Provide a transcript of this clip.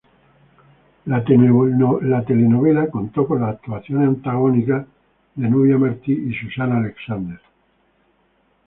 La telenovela contó con las actuaciones antagónicas de Nubia Martí y Susana Alexander.